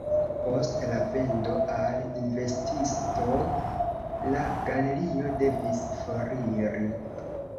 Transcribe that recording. Post la vendo al invenstisto la galerio devis foriri.